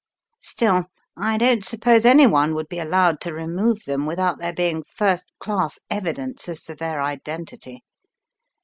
Still, I don't suppose any one would be allowed to remove them without there being first class evidence as to their identity.